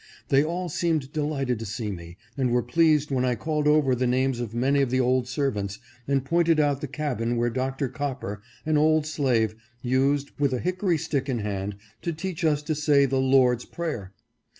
They all seemed de lighted to see me, and were pleased when I called over the names of many of the old servants, and pointed out the cabin where Dr. Copper, an old slave, used, with a hickory stick in hand, to teach us to say the " Lord's Prayer."